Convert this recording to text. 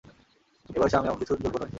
এই বয়সে আমি এমনকিছুর যোগ্য নই।